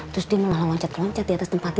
terus dia malah loncat loncat di atas tempat ini